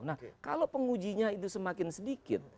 nah kalau pengujinya itu semakin sedikit